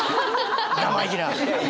生意気な！